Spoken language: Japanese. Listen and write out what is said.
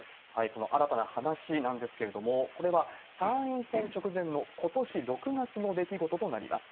この新たな話なんですけれども、これは参院選直前のことし６月の出来事となります。